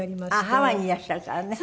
ハワイにいらっしゃるからね。